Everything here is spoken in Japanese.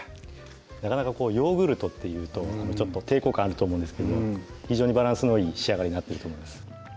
なかなかヨーグルトっていうと抵抗感あると思うんですけど非常にバランスのいい仕上がりになってると思います